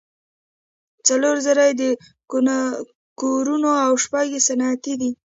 څلور زره یې د کورونو او شپږ یې صنعتي ده.